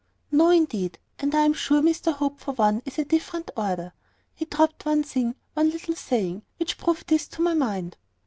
"No, indeed; and I am sure Mr Hope, for one, is of a different order. He dropped one thing, one little saying, which proved this to my mind."